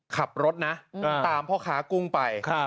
ขับรถนะตามพ่อค้ากุ้งไป